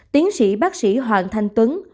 tiến sĩ bác sĩ hoàng thanh tuấn